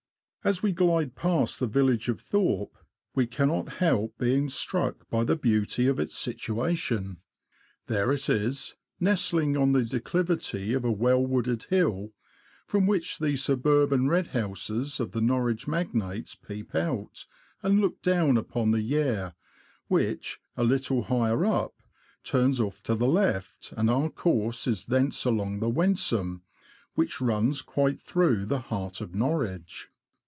As we glide past the village of Thorpe, we cannot help being struck by the beauty of its situation. There it is, nestling on the declivity of a well wooded hill, from which the suburban red houses of the Norwich magnates peep out, and look down upon the Yare which, a little higher up, turns off to the left, and our course is thence along the Wensum, which runs quite through the heart of Norwich.